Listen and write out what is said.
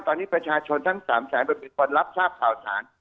ตอนนี้ประชาชนทั้ง๓แสนเป็นคนรับชาติเผาสาร